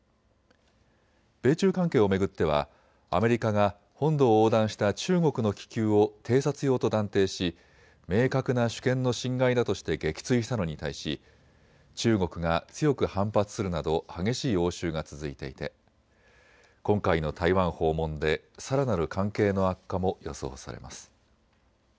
米中関係を巡ってはアメリカが本土を横断した中国の気球を偵察用と断定し明確な主権の侵害だとして撃墜したのに対し中国が強く反発するなど激しい応酬が続いていて今回の台湾訪問でさらなる関係の悪化も予想されます。